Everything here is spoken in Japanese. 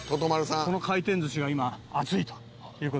この回転寿司が今熱いという事で。